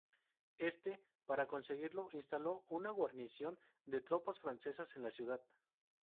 Este, para conseguirlo, instaló una guarnición de tropas francesas en la ciudad.